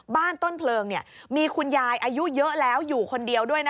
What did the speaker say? ต้นเพลิงมีคุณยายอายุเยอะแล้วอยู่คนเดียวด้วย